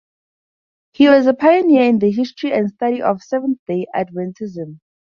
He was a pioneer in the history and study of Seventh-day Adventism.